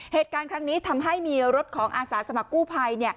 เหตุการณ์ครั้งนี้ทำให้มีรถของอาสาสมัครกู้ภัย